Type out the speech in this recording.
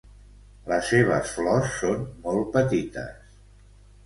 Les seves flors són molt petites.